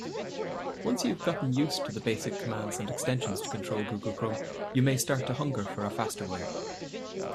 Once you've gotten used to the basic commands and extensions to control Google Chrome, you may start to hunger for a faster way.